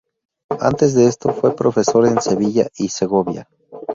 Antes de esto, fue profesor en Sevilla y Segovia.